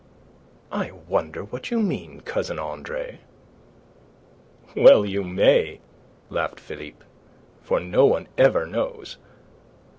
"I wonder what you mean, Cousin Andre." "Well you may," laughed Philippe. "For no one ever knows."